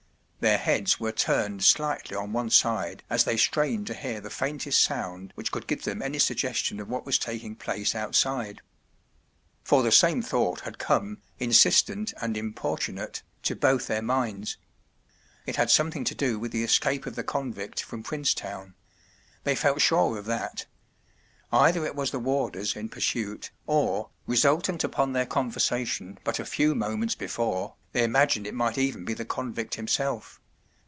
Their heads were turned slightly on one side as they strained to hear the faintest sound which could give them any suggestion of what was taking place outside. For the same thought had come, insistent and im¬ portunate, to both their minds. It had some¬ thing to do with the escape of the convict from Princetown. They felt sure of that. Either it was the warders in pursuit, jor, resultant upon their conversation but a few moments before, they imagined it might even be the convict himself.'